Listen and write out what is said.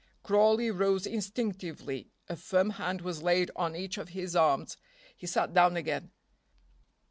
Crawley rose instinctively. A firm hand was laid on each of his arms; he sat down again.